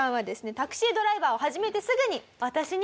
タクシードライバーを始めてすぐに。